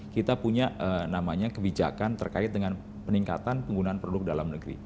kita punya namanya kebijakan terkait dengan peningkatan penggunaan produk dalam negeri